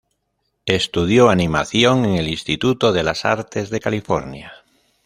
Estudió animación en el Instituto de las Artes de California.